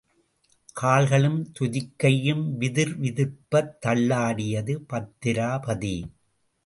கால்களும் துதிக்கையும் விதிர் விதிர்ப்பத் தள்ளாடியது பத்திராபதி.